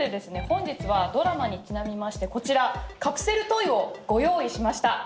本日はドラマにちなみましてこちらカプセルトイをご用意しました